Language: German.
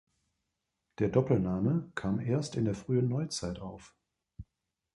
Der Doppelname kam erst in der Frühen Neuzeit auf.